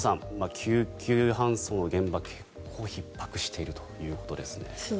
救急搬送の現場結構ひっ迫しているということですね。